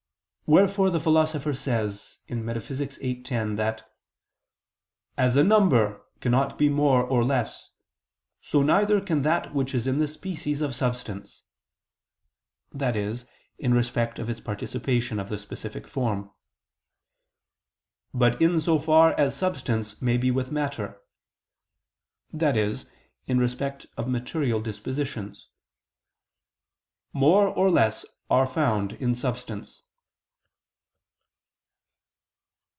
Wherefore the Philosopher says (Metaph. viii, text. 10) that, "as a number cannot be more or less, so neither can that which is in the species of substance," that is, in respect of its participation of the specific form: "but in so far as substance may be with matter," i.e. in respect of material dispositions, "more or less are found in substance."